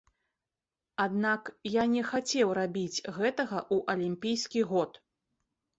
Аднак я не хацеў рабіць гэтага ў алімпійскі год.